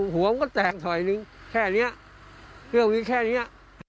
หัวมันก็แตกถอยนึงแค่นี้เรื่องนี้แค่นี้